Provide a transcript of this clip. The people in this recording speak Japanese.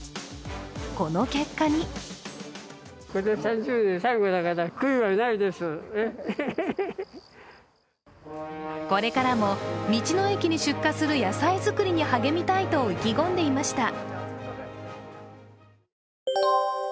この結果にこれからも道の駅に出荷する野菜作りに励みたいと、意気込んでいました。